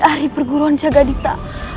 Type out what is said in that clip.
dari perguruan jagadita